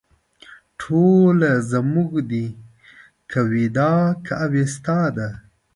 ټوله زموږ دي که ویدا که اوستا ده